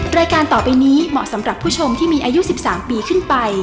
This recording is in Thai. รายการต่อไปนี้เหมาะสำหรับผู้ชมที่มีอายุ๑๓ปีขึ้นไป